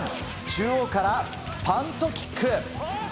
中央からパントキック。